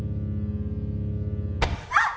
あっ！